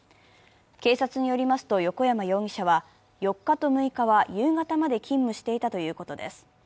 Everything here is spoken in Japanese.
警察によりますと横山容疑者は、４日と６日は夕方まで勤務していたということです。